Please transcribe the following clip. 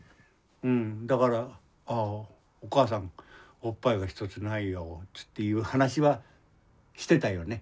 だからお母さんおっぱいが１つないよっていう話はしてたよね。